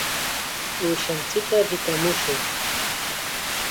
Uushanchikta rikamushun.